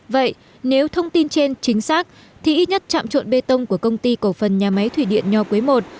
vậy nếu thông tin trên chính xác thì ít nhất trạm trộn bê tông của công ty cổ phần nhà máy thủy điện nho quế i